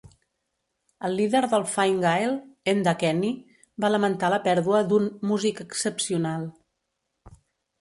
El líder del Fine Gael, Enda Kenny, va lamentar la pèrdua d'un "músic excepcional".